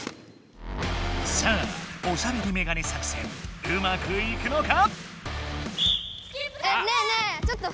さあおしゃべりメガネ作戦うまくいくのか？